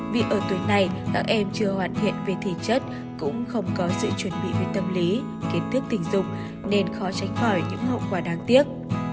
vì ở tuyến này các em chưa hoàn thiện về thể chất cũng không có sự chuẩn bị về tâm lý kiến thức tình dục nên khó tránh khỏi những hậu quả đáng tiếc